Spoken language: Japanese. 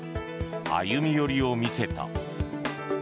歩み寄りを見せた。